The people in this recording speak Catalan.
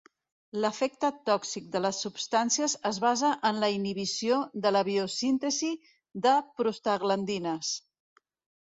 L'efecte tòxic de les substàncies es basa en la inhibició de la biosíntesi de prostaglandines.